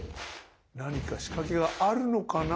何か仕掛けがあるのかな？